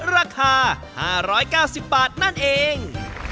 ราคา๕๙๐บาทนั่นเอง